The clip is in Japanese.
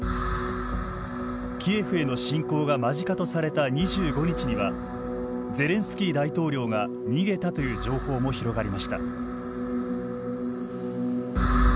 キエフへの侵攻が間近とされた２５日にはゼレンスキー大統領が逃げたという情報も広がりました。